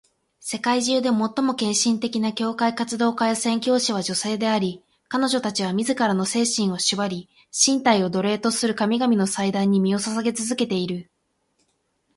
世界中で最も献身的な教会活動家や宣教師は女性であり、彼女たちは自らの精神を縛り、身体を奴隷とする神々の祭壇に身を捧げ続けている。